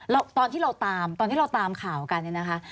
แล้วตอนที่เราตามข่าวกันนะคะ